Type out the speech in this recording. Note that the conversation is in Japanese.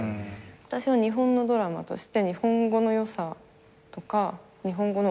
私は日本のドラマとして日本語の良さとか日本語の面白さ。